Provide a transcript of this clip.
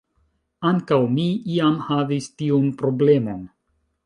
Ankaŭ mi iam havis tiun problemon.